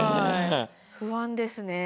不安ですね。